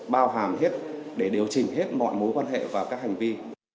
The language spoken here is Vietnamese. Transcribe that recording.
bao hàm hết để điều chỉnh hết mọi mối quan hệ và các hành vi